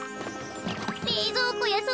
れいぞうこやそう